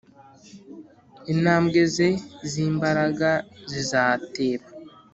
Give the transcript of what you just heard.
intambwe ze z’imbaraga zizateba,